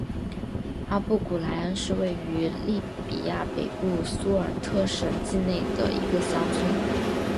阿布古来恩是位于利比亚北部苏尔特省境内的一个乡村。